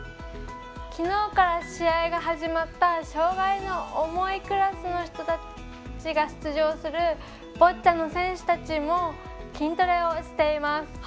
昨日から試合が始まった障がいの重いクラスの人が出場するボッチャの選手たちも筋トレをしています。